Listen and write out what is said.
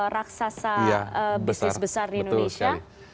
raksasa bisnis besar di indonesia